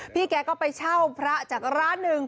พี่แก่ก็ไปเช่าพระจากร้านนึง